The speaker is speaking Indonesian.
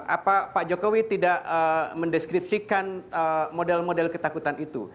apa pak jokowi tidak mendeskripsikan model model ketakutan itu